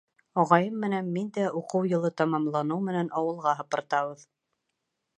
Ағайым менән мин дә уҡыу йылы тамамланыу менән ауылға һыпыртабыҙ.